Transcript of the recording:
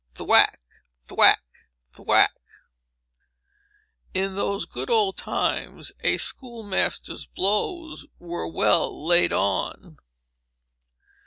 Thwack! thwack! thwack! In those good old times, a school master's blows were well laid on.